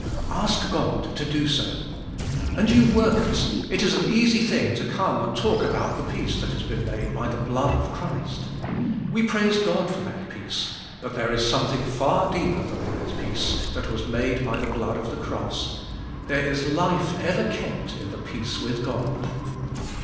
Ask God to do so. And you workers, it is an easy thing to come and talk about the peace that has been made by the blood of Christ. We praise God for that peace, but there is something far deeper than that peace that was made by the blood of the cross; there is life ever kept in the peace with God.